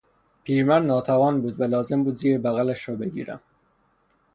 پیرمرد ناتوان بود و لازم بود زیر بغلش را بگیرم.